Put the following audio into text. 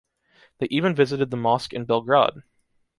They even visited the mosque in Belgrade.